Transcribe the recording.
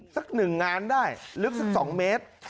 สัก๑งานได้ลึกสัก๒เมตร